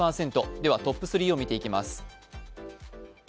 ではトップ３を見ていきます。